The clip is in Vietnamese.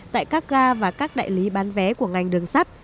tại các ga và các đại lý bán vé của ngành đường sắt